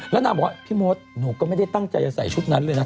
แล้วนางบอกว่าพี่มดหนูก็ไม่ได้ตั้งใจจะใส่ชุดนั้นเลยนะ